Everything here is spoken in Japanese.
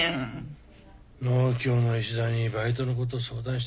農協の石田にバイトのこと相談してみっぺ。